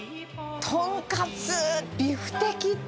とんかつ、ビフテキって。